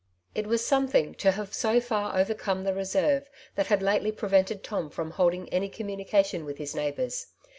'' It was something to have so far overcome the re serve that liad lately prevented Tom from holding any communication with his neighbours.